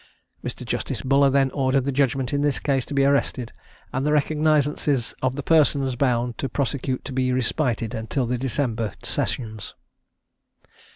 Mr. Justice Buller then ordered the judgment in this case to be arrested, and the recognizances of the persons bound to prosecute to be respited until the December sessions.